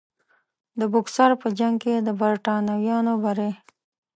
د بوکسر په جنګ کې د برټانویانو بری.